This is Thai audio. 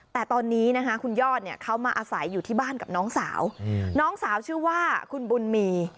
แต่ตอนนี้นะคะคุณยอดเนี่ยเขามาอาศัยอยู่ที่บ้านกับน้องสาวน้องสาวชื่อว่าคุณบุญมี